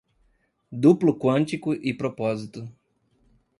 Duplo quântico e propósito